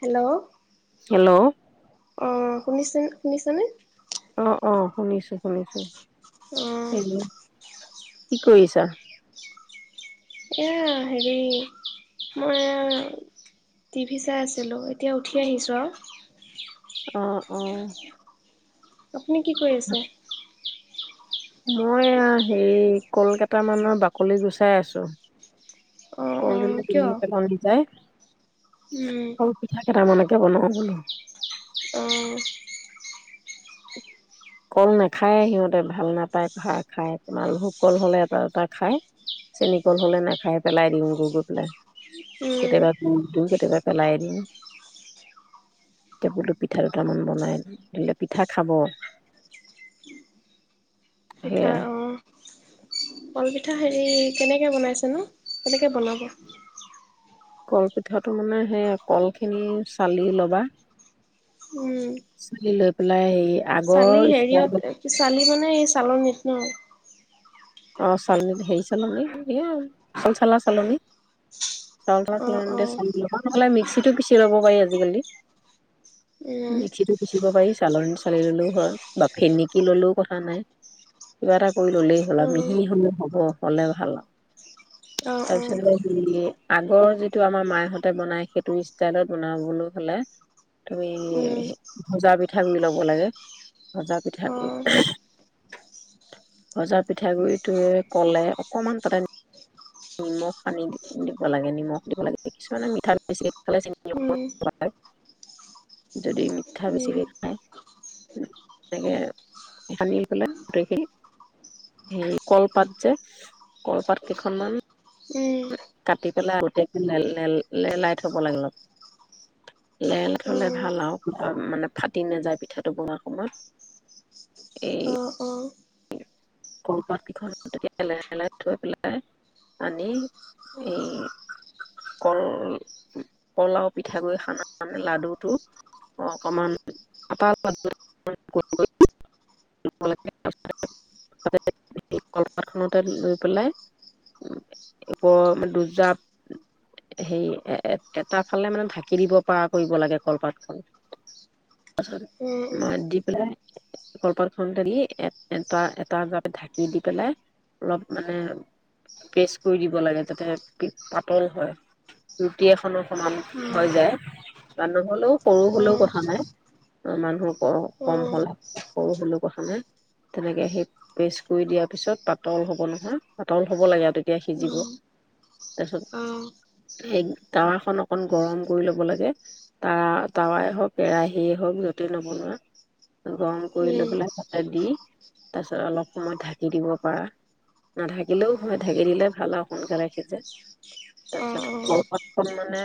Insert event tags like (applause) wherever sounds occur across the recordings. Hello hello অ' শুনিছে শুনিছানে অ' অ' শুনিছো শুনিছো উম! হেল্ল' কি কৰিছা? এয়া হেৰি মই টিভি চাই আছিলোঁ এতিয়া উঠি আহিছোঁ আৰু অ' অ' আপুনি কি কৰি আছে? মই হেৰি কলকাত মানৰ বাকলি গুচাই আছো অ অ কিয় কৰবেমোম যায় উম সৰু পিঠা কেইটা মনে বনওঁ বুলি আহ কল নাখায় সিহঁতে ভাল নাপায় খ খাই তোমাল ভোক কল হলে এটা এটা খায় চেনী কল হলে নাখায় পেলাই দিম গৈ গৈ পেলাই উম কেতিয়াবা, কে পেলাই দিওঁ এতিয়া বোলো পিঠা দুটামান বনাই দি ধ উঠ খাব পিঠা সেয়াই অ। কলপিঠা হেৰি কেনেকে বনাইছে ন কেনেকে বনাব? কলপিঠাটো মানে সেই কলখিনি চালি লবা। উম। চালি লৈ পেলাই - চালি হেৰিয়ত কি চালি মানে এই চালনীত? হুম। অ চালনীত হেৰি চালনী এই চাউল চালা চালনী চাউল অ অ চালনতে চালি লবা নহলে মিক্সিতটো পিচি লব পাৰি আজিকালি উম মিক্সিতটো পিচিব পাৰি চালনী চালি ললেও হয় বা ফেনিকি ললেও কথা নাই কিবা এটা কৰি ললেই হ'ল আমি- উম সি হলে হব হলে ভাল অ অ আৰু তাৰপিছতে সে আগৰ যিটো আমাৰ মায়হঁতে বনাই সেইটো ষ্টাইলত বনাবলৈ হলে তুমি উম ভজা পিঠাগুৰি লব লাগে ভজা অ পিঠাগুৰি ভজা পিঠাগুৰিত- টোৱে ক'লে অকণমান তাতে নিমখ সানি দিব লাগে নিমখ দিব লাগে কিছুমানে মিঠা বেছিকৈ খালে চিন লব উম নালাগে যদি মিঠা উম বেছিকৈ খায় তেনেকে সানি পেলাই গোটেইখিনি সেই। কলপাত যে কলপাত কেইখনমান কাটি পেলাই গোটক লেল - লেল লেলাই থব লাগিল লেৰাল থলে উম ভাল আৰু মানে ফাটি নাযায় পিঠাটো বনোৱা সময়ত এই অ অ অ সৰু পাতকেইখন তেতিয়া লেলাই লেলাই থৈ পেলাই আনি এই কল কলও পিঠাগু়ৰ সানা মানে লাডুটো অকমান আ ল কলপাত খতে লৈ পেলাই ওপ দুৰ্জাত হে এটা ফালে মানে ঢাকি দিব পৰা কৰিব লাগে কলপাত খন তাৰপাছত মাত দি পেলাই কলপাত খনতে দি এটা। টা গাপ ঢাকি দি পেলাই অলপ মানে প্ৰেষ্ট কৰি দিব লাগে যাতে পাতল হয় ৰুটি এখনৰ সমান হৈ যায় বা নহ'লেও সৰু হ'লেও কথা নাই মানুহক অঅঅ। সৰু সলে কথা নাই তেনেকে সেই ক পেষ্ট কৰি দিয়াৰ পিছত পাতল হ'ব নহয় পাতল হ'ব লাগে আৰু। তেতিয়া সিজিব। তাৰপিছত এই টাৱাখন অকণ গৰম কৰি ল'ব লাগে তাৱা টাৱাই হওক কেৰাহিয়ে হওক য'তেই নবনোৱা। গৰম কৰি লব গুটিকেইটা লাগে। দি। অলপ সময় ঢাকি দিব পাৰা নাঢাকিলেও হয় ঢাকি দিলে ভাল আৰু সোনকালে সিজে তাৰপিছতাতখন মানে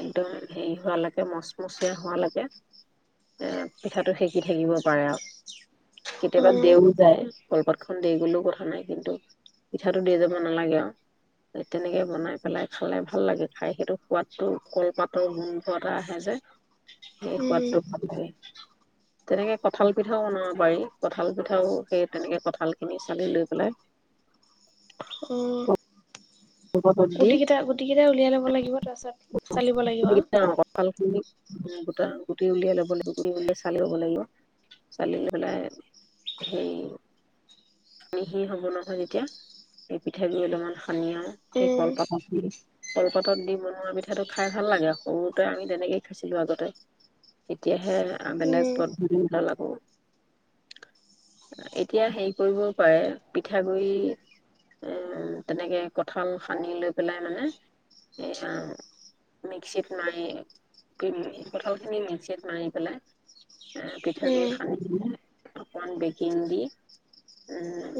একদম হেৰি হোৱালৈকে মচমচীয়া হোৱালৈকে পিঠাটো সেকি থাকিব পাৰে আৰু কেতিয়াবা দেও যায় কলপাতখন দে গলেও কথা নাই কিন্তু পিঠাটো দি যাব নালাগে আৰু তেনেকে বনাই পেলাই খালে ভাল লাগে খাই সেইটো সোৱাদটো কলপাতৰ গোন্ধ এটা আহে যে সেই সোৱাদটো ভাল লাগে তেনেকে কঁঠাল পিঠাও বনাব পাৰি কঁঠাল পিঠা ও সেই তেনেকে কঁঠাল খিনি চালি লৈ পেলাই ৰ'দত দি গুট কেইটা গুটি কেইটা উলিয়াই লব লাগিব তাৰপাছত চালিব লাগিব। গোটটা গুটি উলিয়াই ল'ব লাগিব গুটি উলিয়াই চালি ল'ব লাগিব চালি পেলাই সেই মিহি হব নহয় যেতিয়া সেই পিঠাগু অলপমান সানি আৰু সেই উম কলপাতত দি কলপাতত দি বনোৱা পিঠাটো খাই ভাল লাগে সৰুতে আমি তেনেকেই খাইছিলো আগতে এতিয়াহে বেলেগ উম পদ্ধতি নালাগো এতিয়া হেৰি কৰিব প পিঠাগুড়ি তেনেকৈ কঁঠাল সানি লৈ পেলাই মানে মিক্সিত মাৰি কঁঠালখিনি মিক্সিত মাৰি পেলাই পিঠাগুড়ি সানি পাই অকণমান বেকিং দি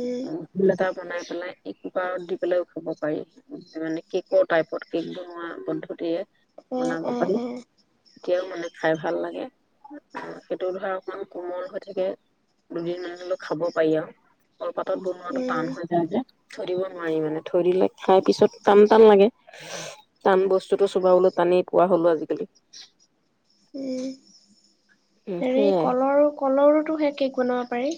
উম উম উ ভল এটা বনাই পেলাই এই কুকাৰত দি পেলাইও খাব পাৰি মানে কেকৰ টাইপত কেক বনোৱা পদ্ধতিৰে বনাব উম পাৰি উম উম এতিয়াও মানে খাই ভাল লাগে আহ সেইটো ধৰা অকমান কোমল হৈ থাকে দুদিন মানলৈ খাব পাৰি আৰু। কলপাতত বনোৱাটো উম টান হৈ যায় যে থৈ দিব নোৱাৰি মানে থৈ দিলে খাই পিছত টান -টান লাগে টান বস্তুতটো চোবাবলৈ টানেই পোৱা হলো আজিকালি। উম উম হেৰি সেয়াই কলৰ - কলৰো হে কেক বনাব পাৰি।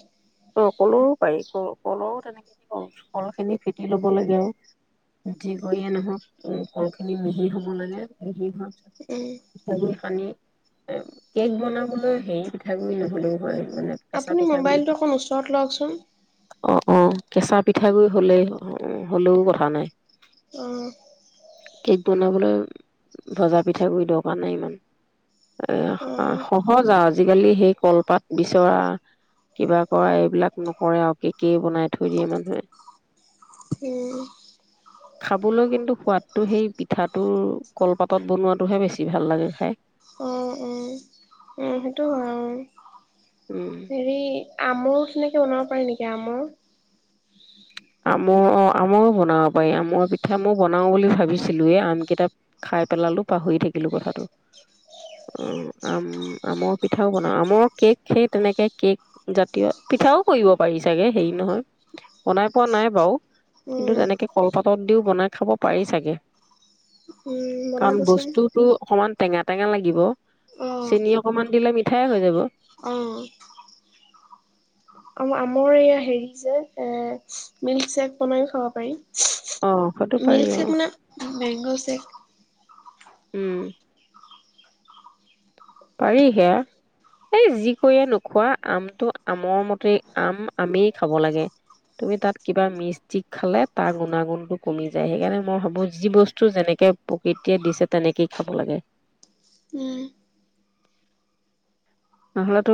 অ ক'লোৰো পাৰি ক কলৰো তেনেকে কল খিনি ফেটি লব লাগে আৰু যি কৰিয়ে নহক কল খিনি মিহি হব লাগে মিহি হোৱাৰ পিছত উম। পানী এ কেক বনাবলৈ হেৰি পিঠাগুৰি নহ'লেও হয় মানে। কেঁচা আপুনি পিঠাগুৰি মবাইলটো ওকন ওচৰত ৰত লগচোন। অ অ কেঁচা পিঠাগুৰি হলেই হলেও কথা নাই। অ', কেক বনাবলৈ ভজা পিঠাগুৰি দৰকাৰ নাই ইমান এ অ', সহজ আৰু আজিকালি সেই কলপাত বিচৰা কিবা। কৰা এইবিলাক নকৰে আৰু কেকেই বনাই থৈ দিয়ে মানুহে, উম, খাবলৈ কিন্তু সোৱাদটো সেই পিঠাটোৰ কলপাতত বনোৱাটোহে বেছি ভাল লাগে খাই, অ', অ', সেইটো হয় আৰু উম! ময়ো সেনেকৈ বনাব পাৰি নেকি আমৰ, আমৰ অ আমৰো বনাব পাৰি আমৰ পিঠা মই বনাও বুলি ভাবিছিলোয় আম কেইটা খাই পেলালো পাহৰি থাকিলো কথাটো অ আম আমৰ পিঠাও বনাও আমৰ কেক সেই তেনেকে কেক জাতীয় পিঠাও কৰিব পাৰি চাগে হেৰি নহয় বনাই, পোৱা নাই বাৰও কিন্তু উম তেনেকে কলপাতত দিও বনাই খাব পাৰি চাগে। উম কাৰণ বনাবচোন বস্তুতটো অকমান টেঙা, টেঙা লাগিব। চেনি অকমান দিলে ম, থঠোক হৈ যাব, আহ! আৰু আমৰ এইয়া হেৰি যে এ মিল্কশ্বেক বনাইো খাব অ সেইটো পাৰিম। পাৰি মিল্ক অ শ্বেক মানে মেংগো শ্বেক, উম! পাৰি সেয়া এই যি কৰিৈয়ে নোখোৱা আমটো আমৰ মতে আম আমেই খাব লাগে তুমি তাত কিবা মিষ্টিক খালে তাৰ গুণাগুণটো কমি যায় সেইকাৰণে মই ভাবো যি বস্তু যেনেকে প্ৰকৃতিয়ে দিছে তেনেকেই খাব লাগে। উম নহলেতো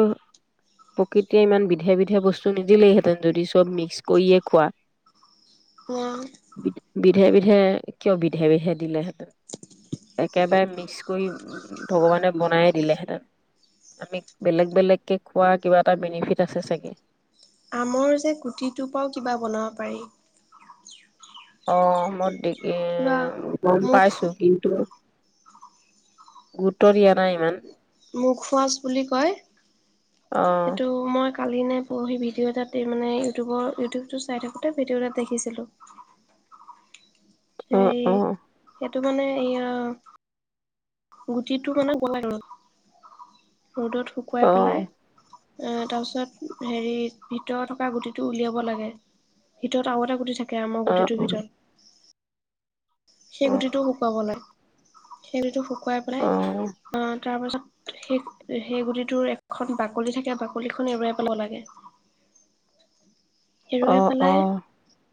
প্ৰকৃতিয়ে ইমান বিধে বিধে বস্তু নিদিলেইহেঁতেন যদি চব মিক্স কৰিয়ে অ খোৱাধ বিধে বিধে কিয় বিধে বিধে দিলেহেঁতেন একেবাৰে মিক্স কৰি ভগৱানে বনাইে দিলেহেঁতেন, আমি বেলেগ বেলেগকে খোৱাৰ কিবা এটা বেনিফিট আছে চাগে। মোৰ যে কুটিটোৰ পৰাও কিবা বনাব পাৰি। অ' মোৰ দি এ কিবা গম মুখ পাইছো কিন্তু, গোটৰ দিয়া নাই ইমান, মুখ সচ বুলি কয় অ', সেইটো মই কালি নে পৰহি ভিডিঅ' এটা মানে ইউটিউবৰ ইউটিউবটো চাই থাকোঁতে ভিডিঅ' এটটা দেখিছিলোঁ অ' অ' তটো মানে এয়া, গুটিটো মানে গলাই ৰ ৰ'দত শুকুৱাই অ', অ', পেলাই অ' তাৰ পিছত হেৰি ভিতৰত থকা গুটি টো উলিয়াব লাগে ভিতৰত আ এটা গুটি থাকে মৰ গুটিটোৰ অ', ভিতৰত সেই গুটিটো শুকুৱাবলৈাগ সেইবতোু খুৱাই পেলাই অ', তাৰ পাছত সেই সেই গুটিটোৰ এখন বাকলি থাকে বাকলিখন এৰুাই পাব লাগে এৰুৱাই আহ পেলাই আহ!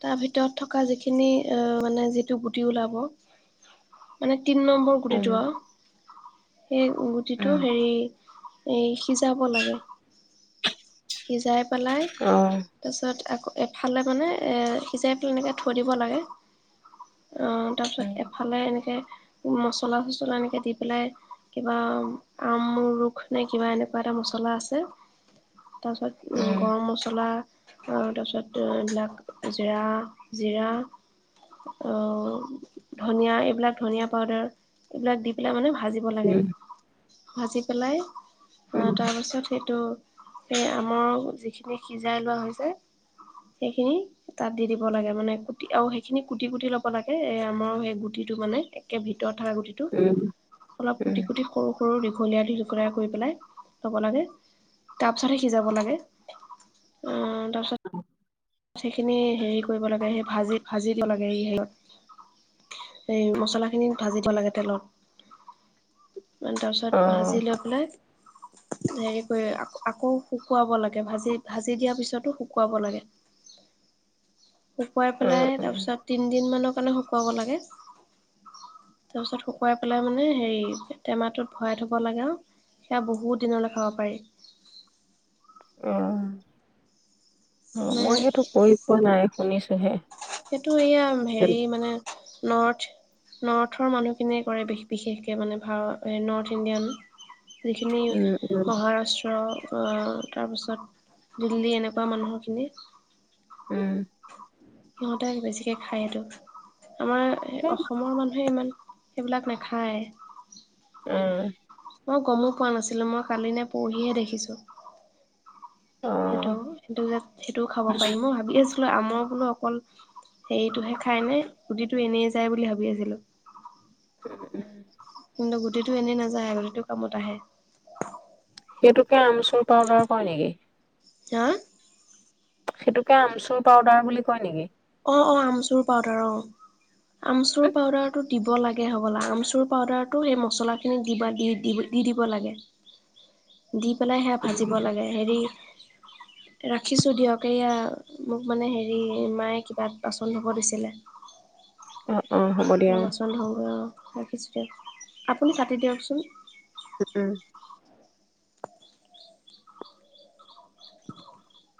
তাৰ ভিতৰত থকা যিখিনি অ মানে যিটো গুটি ওলাব মানে তিনি নম্বৰ উম, গুটিটোৱা সেই গুটিটো উম, হেৰি এই সিজাব লাগে সিজাই পেলাই, অ', তাৰপিছত আকৌ এফালে, মানে, এ, সিজাই পেলাই, এনেকে থৈ দিব লাগে। তাৰপিছত উম, এফালে এনেকে মছলা-চছলা এনেকে দি পেলাই। কিবা আমৰুখ নে কিবা, এনেকুৱা এটা মছলা আছে তাৰপিছত উম, গৰম মছলা আৰু তাৰপিছত এইবিলাক জিৰা, জিৰা। অ', ধনীয়া, এইবিলাক। ধনীয়া পাউদাৰ, এইবিলাক দি পেলাই মানে, ভা ভাজিব লাগে উম, ভাজি পেলাই অ', উম, তাৰ পাছত সেইটো সেই আমৰ যিখিনি সিজাই লোৱা হৈছে সেইখিনি তাত দি দিব লাগে। মানে, কুটি। আৰু সেইখিনি কুটি-কুটি ল'ব লাগে। এ, আমাৰ সেই গুটিটো, মানে, একে ভিতৰত থাকা গুটিটো উম, অলপ উম, অ', কুটি-কুটি সৰু সৰু দীঘলীয়া, দীঘলীয়া কৰি পেলাই ল'ব লাগে। তাৰপিছতে সিজাব লাগে। উম, তাৰপিছত (inaudible) সেইখিনি হেৰি কৰিব লাগে। সেই ভাজি, ভাজি দিব লাগে। এই হেৰিঅত, এই মছলাখিনিত ভাজি দিব লাগে তেলত। তাৰপিছত ভাজি লৈ পেলাই হেৰি কৰি আকৌ, আকৌ শুকুৱাব লাগে। ভাজি, ভাজি দিয়া পিছতো শুকুৱাব লাগে। শুকুৱাই পেলাই উম, তাৰ উম, পিছত তিন দিন মানক কাৰণে শুকুৱাব লাগে তাৰপিছত শুকুৱাই পেলাই মানে হেৰি টেমাটোত ভৰাই থ'ব লাগে আৰু সেয়া বহুত দিনলৈ খাব পাৰি আঁহ অ' মানে মই সেইটো কৰি পোৱা নাই। ঊনৈছশহে সেইটো এয়া হেৰি মানে নৰ্থ নৰ্থৰ মানুহখিনিয়ে কৰে বিশেষকৈ মানে নৰ্থ ইণ্ডিয়ান যিখিনি উম, মহাৰাষ্ট্ৰ তাৰপিছত দিল্লী এনেকুৱা মানুহখিনি উম! সিহঁতে বেছিকৈ খায় সেইটো, আমাৰ অসমৰ মানুহে ইমান, সেইবিলাক নাখায়। অ' মই গমো পোৱা নাছিলো মই কালি নে পঢহিহে দেখিছো। সেইটো অ', সেইটো যে সেইটোও খাব পাৰি মই ভাবি আছো। আমৰ বোলো অকল হেৰিটোহে খাই নে সুটিটো এনেই যায় বুলি ভাবি আছিলো। কিন্তু গোটতটো এনেই নাযায় আগতেটো কামত আহে এইটোকে আমচুৰ পাউদাৰ কৰা নেকি হাঁ সেইটোকে আমচুৰ পাউদাৰ বুলি কয় নেকি অঁ অঁ আমচুৰ পাউদাৰ অ আমচুৰ পাউদাৰতো দিব লাগে হ'বলা আমচুৰ পাউদাৰটো সেই মছলাখিনি দিবা দি দিব লাগে দি পেলাই সেয়া ভাজিব লাগে হেৰি ৰাখিছো দিয়ক এয়া মোক মানে হেৰি মায়ে কিবা পছন্দ কৰিছিলে অঁ অঁ হ'ব দিয়া অঁ অ ৰাখিছোঁ দিয়ক আপুনি পাটতি দিয়কচোন উম উম (unintelligible)